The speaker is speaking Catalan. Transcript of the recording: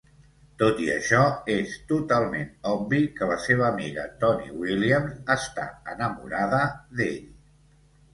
Tot i això, és totalment obvi que la seva amiga Toni Williams està enamorada d'ell.